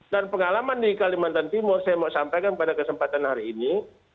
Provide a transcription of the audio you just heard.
dan pengalaman di kalimantan timur saya mau sampaikan pada kesempatan hari ini